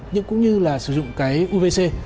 cũng như là sử dụng cái uvc